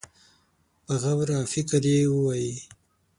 په غور او فکر يې ووايي.